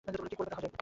কী করবে তাহলে?